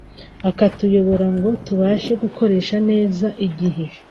akatuyobora ngo tubashe gukoresha neza igihe